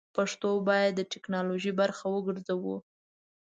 پښتو بايد د ټيکنالوژۍ برخه وګرځوو!